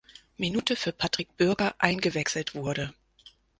Minute für Patrick Bürger eingewechselt wurde.